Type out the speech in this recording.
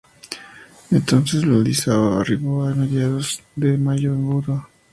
Entonces Vladislao arribó a mediados de mayo a Buda.